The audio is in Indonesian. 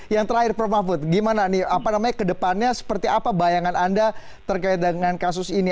yang terakhir prof mahfud gimana nih apa namanya kedepannya seperti apa bayangan anda terkait dengan kasus ini